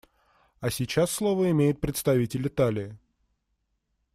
А сейчас слово имеет представитель Италии.